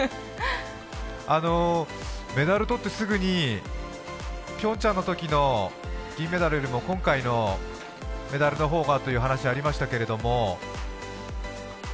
メダルを取ってすぐにピョンチャンのときの銀メダルよりも今回のメダルの方がという話がありましたけれども。